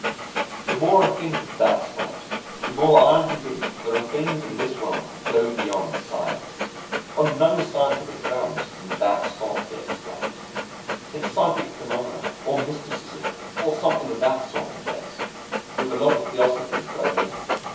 The more I think of that Spot, the more I am convinced that there are things in this world that go beyond science. On no scientific grounds can that Spot be explained. It's psychic phenomena, or mysticism, or something of that sort, I guess, with a lot of theosophy thrown in.